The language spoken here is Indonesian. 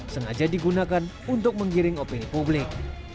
sengaja digunakan untuk menggiring opini publik